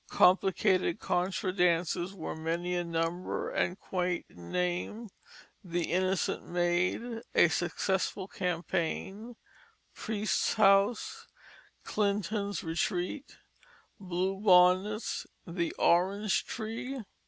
Complicated contra dances were many in number and quaint in name: The Innocent Maid, A Successful Campaign, Priest's House, Clinton's Retreat, Blue Bonnets, The Orange Tree.